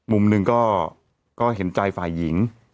มุมหนึ่งก็เห็นใจฝ่ายหญิง